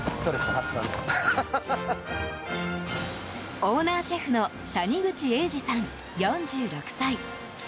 オーナーシェフの谷口英司さん、４６歳。